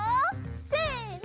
せの！